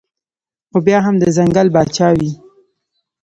خو بيا هم د ځنګل باچا وي